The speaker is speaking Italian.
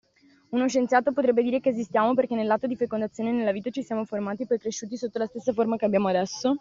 Uno scienziato potrebbe dire che esistiamo perché nell'atto di fecondazione nella vita ci siamo formati e poi cresciuti sotto la forma che abbiamo adesso.